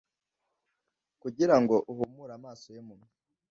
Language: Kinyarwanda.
kugira ngo uhumure amaso y’impumyi,